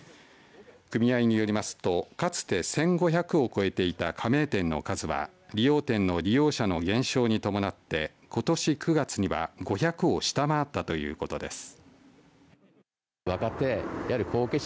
組合によりますとかつて１５００を超えていた加盟店の数は理容店の利用者の減少に伴ってことし９月には５００を下回ったということです。